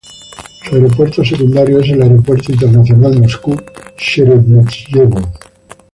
Su aeropuerto secundario es el Aeropuerto Internacional Moscu-Sheremetyevo.